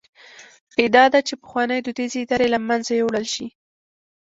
ادعا ده چې پخوانۍ دودیزې ادارې له منځه یووړل شي.